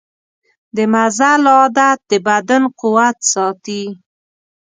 د مزل عادت د بدن قوت ساتي.